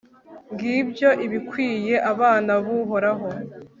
ngibyo ibikwiye abana b'uhoraho